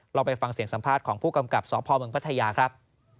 ไปฟังเสียงสัมภาษณ์ของผู้กำกับสพเมืองพัทยาครับ